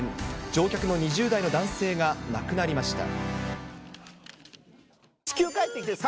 乗客の２０代の男性が亡くなりました。